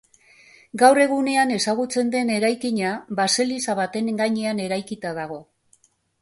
Gaur egun ezagutzen den eraikina baseliza baten gainean eraikita dago.